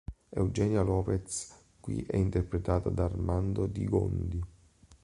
Eugenia Lopez qui è interprete di Armando di Gondi.